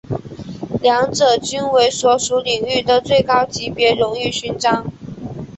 两者均为所属领域的最高级别荣誉勋章。